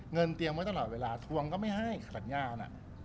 เตรียมไว้ตลอดเวลาทวงก็ไม่ให้สัญญานะ